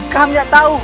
kami yang tau